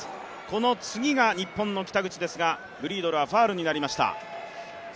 この次が日本の北口ですがグリードルはファウルになりました。